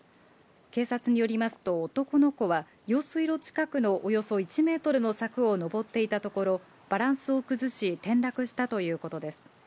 警察によりますと男の子は用水路近くの、およそ１メートルの柵を上っていたところ、バランスを崩し転落したということです。